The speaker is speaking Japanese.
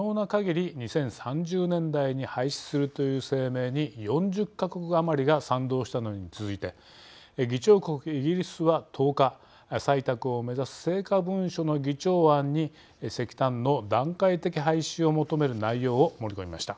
２０３０年代に廃止するという声明に４０か国余りが賛同したのに続いて議長国イギリスは１０日採択を目指す成果文書の議長案に石炭の段階的廃止を求める内容を盛り込みました。